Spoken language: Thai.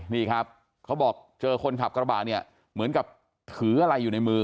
นี่ครับเขาบอกเจอคนขับกระบะเนี่ยเหมือนกับถืออะไรอยู่ในมือ